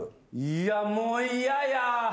いやもう嫌や。